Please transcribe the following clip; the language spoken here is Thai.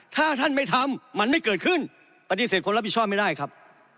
ถ้าท่านไม่ทำมันไม่เกิดขึ้นปฏิเสธคนรับผิดชอบไม่ได้ครับ